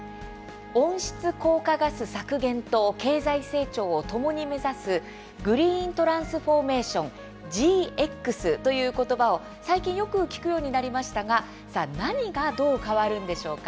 温室効果ガス削減と経済成長をともに目指すグリーントランスフォーメーション「ＧＸ」という言葉を最近よく聞くようになりましたが何が、どう変わるんでしょうか。